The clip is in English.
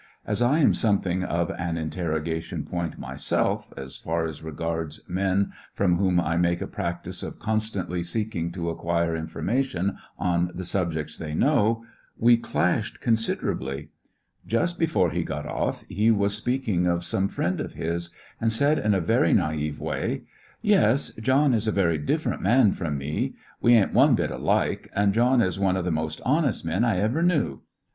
As I am something of an in terrogation point my self J as far as regards men from whom I make a practice of constantly seeking to acquire information on the subjects they know, we clashed considerably* Just before he got off, he was speaking of some friend of his, and said in a y^tj naive way : ^^YeSj John is a very different man from me. We ain't one bit alike, and John is one of the most honest men I ever knew.'